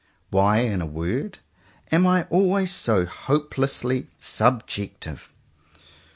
Why, in a word, am I always so hopelessly subjective?